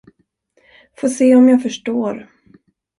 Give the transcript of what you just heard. Få se om jag förstår.